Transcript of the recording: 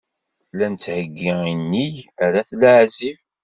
La nettheggi inig ar At Leɛzib.